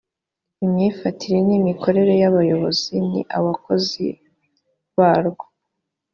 imyifatire n imikorere y abayobozi n abakozi barwo